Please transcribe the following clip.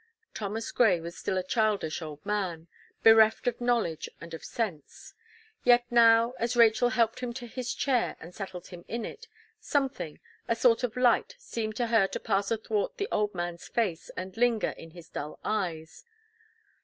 Thomas Gray was still a childish old man, bereft of knowledge and of sense. Yet now, as Rachel helped him to his chair, and settled him in it, something, a sort of light seemed to her to pass athwart the old man's face, and linger in his dull eyes.